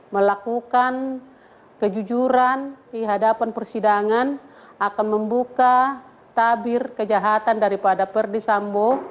melakukan kejujuran di hadapan persidangan akan membuka tabir kejahatan daripada perdisambo